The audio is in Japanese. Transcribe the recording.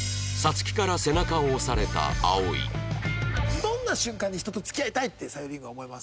どんな瞬間に人と付き合いたいってさゆりんごは思います？